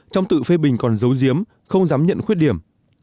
năm trong tự phê bình còn giấu giếm không dám nhận khuyết điểm